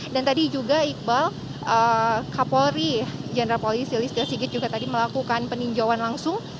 dan tadi juga iqbal kapolri general police di lista sigit juga tadi melakukan peninjauan langsung